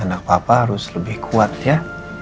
anak papa harus lebih kuat ya